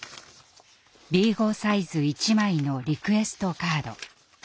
Ｂ５サイズ１枚のリクエストカード。